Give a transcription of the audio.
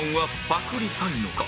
パクりたくないのか？